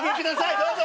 どうぞ！